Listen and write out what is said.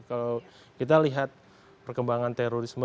kalau kita lihat perkembangan terorisme